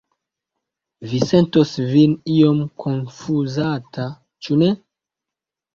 Vi sentos vin iom konfuzata, ĉu ne?